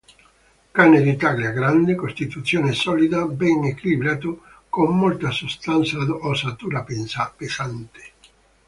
Cane di taglia grande, costituzione solida, ben equilibrato, con molta sostanza ed ossatura pesante.